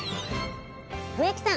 笛木さん